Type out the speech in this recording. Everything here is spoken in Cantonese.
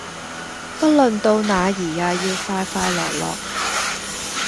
不論到那兒也要快快樂樂